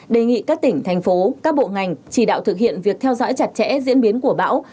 đề nghị các tỉnh thành phố các bộ ngành chỉ đạo thực hiện việc theo dõi chặt chẽ diễn biến của bão